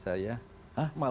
saya diajak ke hainan